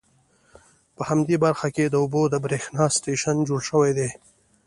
په همدې برخه کې د اوبو د بریښنا سټیشن جوړ شوي دي.